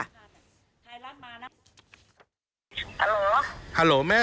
มันตีเหรอแม่